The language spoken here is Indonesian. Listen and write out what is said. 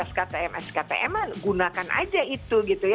sktm sktm gunakan saja itu